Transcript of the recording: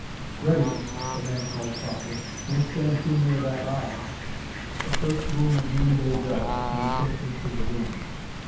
"Ready," the man called softly. "Don't stand too near that line." The first boom of noonday bells came faintly to the room.